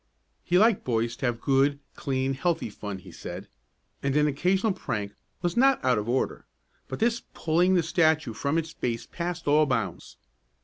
He liked boys to have good, clean healthy fun, he said, and an occasional prank was not out of order, but this pulling the statue from its base passed all bounds.